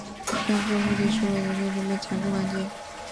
这样做的目的是为了在移动设备被强制关机。